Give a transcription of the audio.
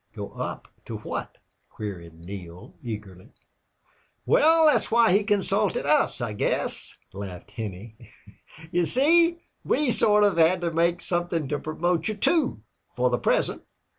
"Go up!... To what?" queried Neale, eagerly. "Well, that's why he consulted us, I guess," laughed Henney. "You see, we sort of had to make something to promote you to, for the present."